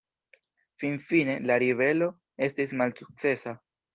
Finfine, la ribelo estis malsukcesa.